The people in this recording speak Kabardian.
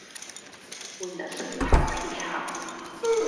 Уи насып Тхьэм хилъхьэ.